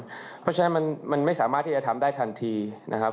เพราะฉะนั้นมันไม่สามารถที่จะทำได้ทันทีนะครับ